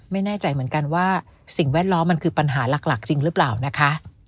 ไม่แน่ใจเหมือนกันว่าสิ่งแวดล้อมมันคือปัญหาหลักจริงหรือเปล่านะคะ